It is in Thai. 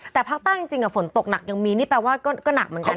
แต่ภาคใต้จริงฝนตกหนักยังมีนี่แปลว่าก็หนักเหมือนกันนะ